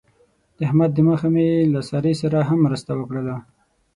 د احمد د مخه مې له سارې سره هم مرسته وکړله.